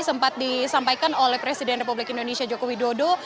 sempat disampaikan oleh presiden republik indonesia jokowi dodo